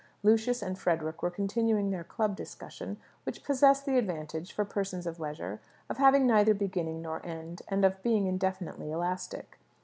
Lucius and Frederick were continuing their club discussion, which possessed the advantage for persons of leisure of having neither beginning nor end, and of being indefinitely elastic.